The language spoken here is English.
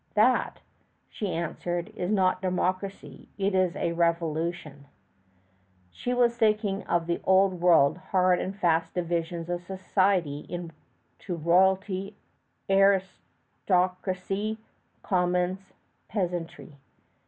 "That," she answered, "is not democracy; it is revolution." She was thinking of those Old World hard and fast divisions of society into royalty, aristocracy, commons, peasantry.